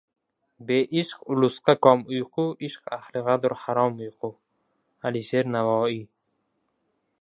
Beishq ulusqa kom uyqu, Ishq ahlig‘adur harom uyqu. Alisher Navoiy